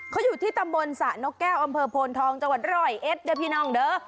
เขาอยู่ที่ตำบลสระนกแก้วอำเภอโพนทองจังหวัดร้อยเอ็ดเด้อพี่น้องเด้อ